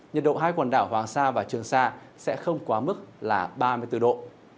nhiệt độ hai quần đảo hoàng sa và trường sa sẽ không quá mức là ba mươi bốn độ